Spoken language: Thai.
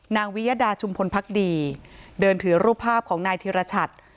วิยดาชุมพลพักดีเดินถือรูปภาพของนายธิรชัด